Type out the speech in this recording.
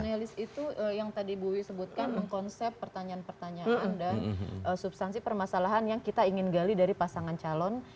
panelis itu yang tadi bu wi sebutkan mengkonsep pertanyaan pertanyaan dan substansi permasalahan yang kita ingin gali dari pasangan calon